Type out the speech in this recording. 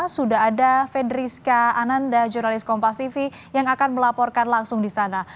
sudah ada fedriska ananda jurnalis kompas tv yang akan melaporkan langsung di sana